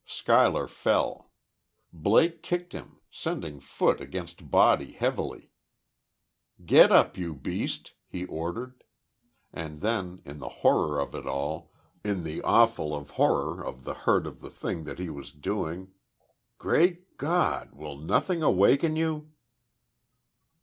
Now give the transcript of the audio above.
Schuyler fell. Blake kicked him, sending foot against body, heavily. "Get up, you beast!" he ordered. And then, in the horror of it all in the awful of horror of the hurt of the thing that he was doing: "Great God! Will nothing awaken you?"